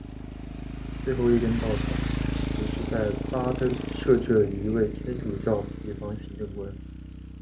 最后一根稻草则是在巴登设置了一位天主教地方行政官。